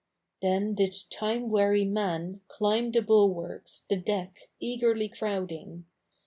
Then did time weary 7nan Climb the bulwarks, the deck Eagerly crowding.